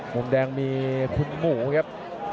มุมแดงมีคุณหมูครับ